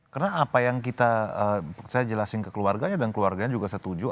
karena apa yang saya jelaskan ke keluarganya dan keluarganya juga setuju